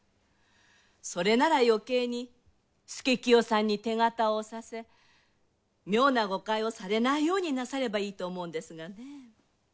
それなら余計に佐清さんに手形をおさせ妙な誤解をされないようになさればいいと思うんですがね。